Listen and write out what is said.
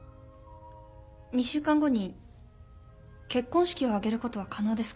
２週間後に結婚式を挙げることは可能ですか？